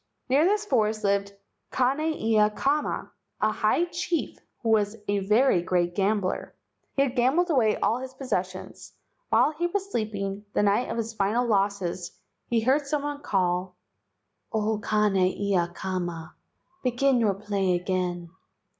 Near this forest lived Kane ia kama, a high chief, who was a very great gambler. He had gambled away all his possessions. While he was sleeping, the night of his final losses, he heard some one call, "O Kane ia kama, begin your play again."